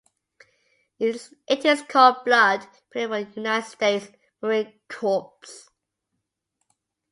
It is called blood pinning in the United States Marine Corps.